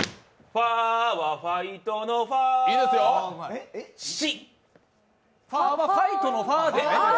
ファはファイトのファ、シ。